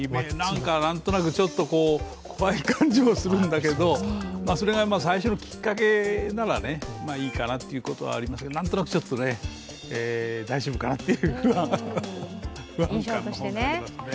何となくちょっと怖い感じもするんだけど、それが最初のきっかけならいいかなと思いますけどなんとなくちょっとね大丈夫かなっていう不安感の方がありますね。